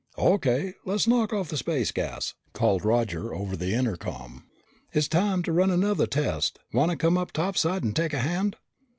"O.K., let's knock off the space gas!" called Roger over the intercom. "It's time to run another test. Want to come up topside and take a hand?"